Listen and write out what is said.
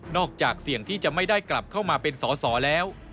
จากเสี่ยงที่จะไม่ได้กลับเข้ามาเป็นสอสอแล้ว